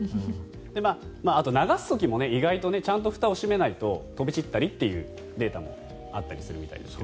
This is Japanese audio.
あと、流す時も意外とちゃんとふたを閉めないと飛び散ったりというデータもあったりするみたいですね。